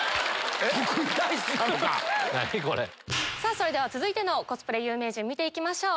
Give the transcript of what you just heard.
それでは続いてのコスプレ有名人見ていきましょう！